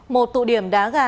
một tụ điểm đá gà